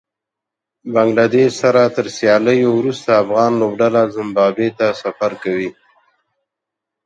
بنګله دېش سره تر سياليو وروسته افغان لوبډله زېمبابوې ته سفر کوي